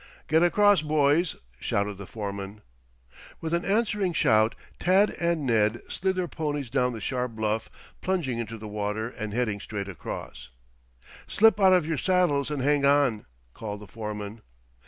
"Get across, boys," shouted the foreman. With an answering shout Tad and Ned slid their ponies down the sharp bluff, plunging into the water and heading straight across. "Slip out of your saddles and hang on!" called the foreman.